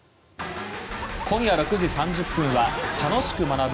今夜６時３０分は「楽しく学ぶ！